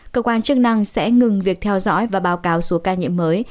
cơ quan chức năng sẽ ngừng việc theo dõi và báo cáo số ca nhiễm mới